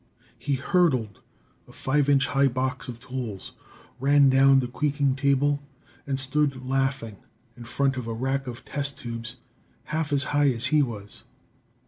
He hurdled a five inch high box of tools, ran down the creaking table and stood laughing in front of a rack of test tubes half as high as he was.